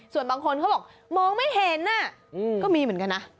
ส่วนบางคนเขาบอกมองไม่เห็นก็มีเหมือนกันนะ